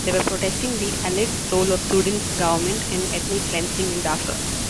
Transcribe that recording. They were protesting the alleged role of Sudan's government in ethnic cleansing in Darfur.